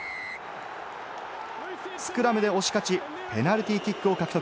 スクラムで押し勝ち、ペナルティーキックを獲得。